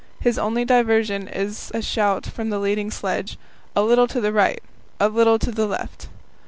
His only diversion is a shout from the leading sledge: "A little to the right," "A little to the left."